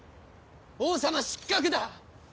王様失格だ！